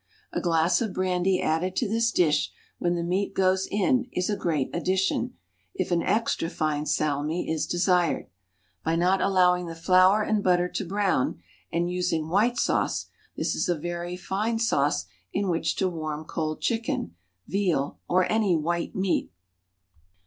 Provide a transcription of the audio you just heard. A glass of brandy added to this dish when the meat goes in is a great addition, if an extra fine salmi is desired. By not allowing the flour and butter to brown and using white wine, this is a very fine sauce in which to warm cold chicken, veal, or any white meat.